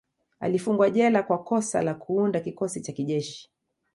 Alifungwa jela kwa kosa la Kuunda kikosi cha kijeshi